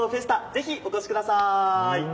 ぜひ、お越しください。